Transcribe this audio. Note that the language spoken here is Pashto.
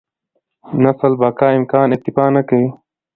نسل بقا امکان اکتفا نه کوي.